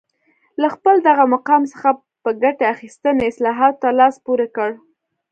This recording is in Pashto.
له خپل دغه مقام څخه په ګټې اخیستنې اصلاحاتو ته لاس پورې کړ